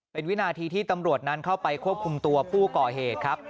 เป็นวินาทีที่ตำรวจนั้นเข้าไปควบคุมตัวผู้ก่อเหตุครับ